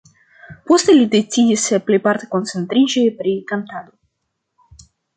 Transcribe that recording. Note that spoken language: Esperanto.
Poste li decidis plejparte koncentriĝi pri kantado.